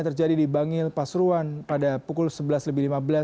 terjadi di bangil pasuruan pada pukul sebelas lebih lima belas